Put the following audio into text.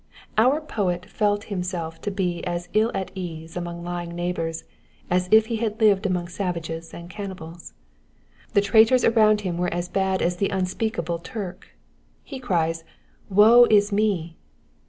Our poet felt himself to be as ill at ease among lying neighbours as if he had Uvea among savages and cannibals. The traitors around liim were as bad as the im speakable Turk. He cries Woe is me